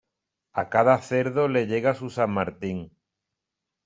A cada cerdo le llega su San Martín.